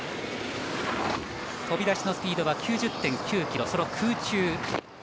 飛び出しのスピードは９０．９キロ、その空中。